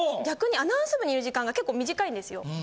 逆にアナウンス部にいる時間が結構短いんですよ。